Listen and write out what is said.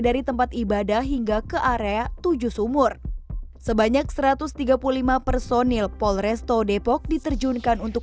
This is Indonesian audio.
dari tempat ibadah hingga ke area tujuh sumur sebanyak satu ratus tiga puluh lima personil polresto depok diterjunkan untuk